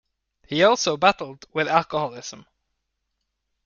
He also battled with alcoholism.